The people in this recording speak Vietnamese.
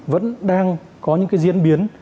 vẫn đang có những cái diễn biến